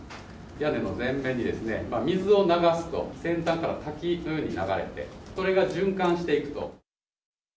屋根の全面に水を流すと、先端から滝のように流れて、それが循環していくと。